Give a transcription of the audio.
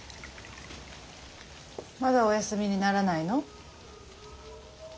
まだお休みにならないの？